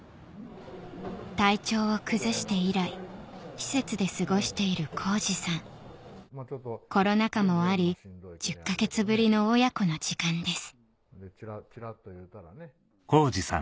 体調を崩して以来施設で過ごしている浩史さんコロナ禍もあり１０か月ぶりの親子の時間です